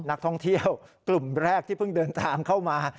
นักท่องเที่ยวกลุ่มแรกที่เพิ่งเดินทางเข้ามา